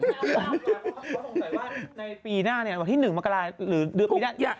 ในปีหน้าอ่านที่๑มากราลหรือเดือนปีหน้า